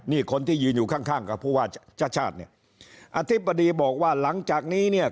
นี่คนที่ยืนอยู่ข้างข้างกับผู้ว่าชาติชาติเนี่ยอธิบดีบอกว่าหลังจากนี้เนี่ย